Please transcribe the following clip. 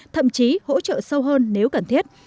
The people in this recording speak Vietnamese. thậm chí hỗ trợ sâu hơn nếu cần thiết